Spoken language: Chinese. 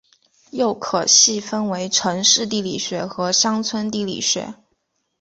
又可细分为城市地理学和乡村地理学。